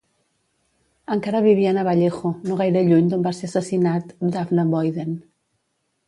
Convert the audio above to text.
Encara vivien a Vallejo, no gaire lluny d'on va ser assassinat Daphne Boyden.